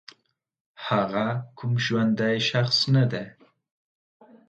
هغه کوم ژوندی شخص نه دی